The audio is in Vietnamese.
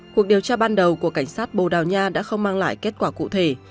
cuộc điều tra ban đầu của cảnh sát bồ đào nha đã không mang lại kết quả cụ thể